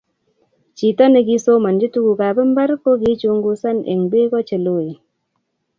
chito ne kisomanchi tuguk ab mbar ko kichungusan eng beko che loen